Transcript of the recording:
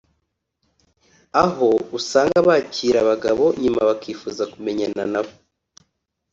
aho usanga bakira abagabo nyuma bakifuza kumenyana nabo